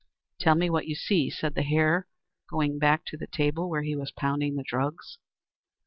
"Tell me what you see," said the Hare, going back to the table where he was pounding the drugs.